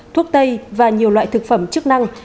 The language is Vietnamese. thuốc tây và nhiều loại thực phẩm chức năng